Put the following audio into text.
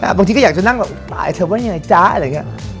บางทีก็อยากจะนั่งแบบแล้วเธอว่าอย่างไรรอ